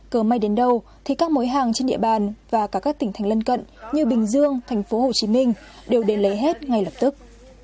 cờ may đến đâu thì các mối hàng trên địa bàn và cả các tỉnh thành lân cận như bình dương tp hcm đều đến lấy hết ngay lập tức